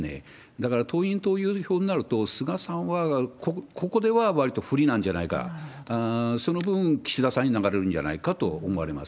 だから党員、党友票になると、菅さんはここではわりと不利なんじゃないか、その分、岸田さんに流れるんじゃないかと思われます。